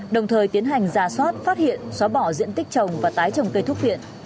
đồng thời tiến hành ra soát phát hiện xóa bỏ diện tích trồng và tái trồng cây thuốc phiện